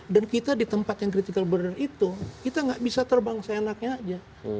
kita di tempat yang critical burden itu kita nggak bisa terbang seenaknya aja